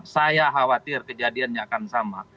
saya khawatir kejadiannya akan sama